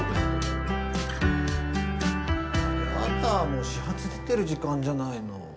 もう始発出てる時間じゃないの。